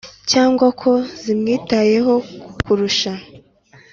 cyangwa ko zimwitayeho kukurusha,